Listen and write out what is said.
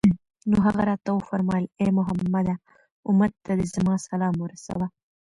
نو هغه راته وفرمايل: اې محمد! أمت ته دي زما سلام ورسوه